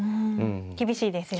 厳しいですよね。